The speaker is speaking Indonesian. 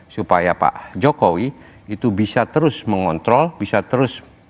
supaya pak jokowi itu bisa terus mengontrol bisa terus